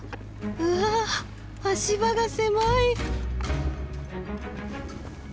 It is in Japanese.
うわ足場が狭い。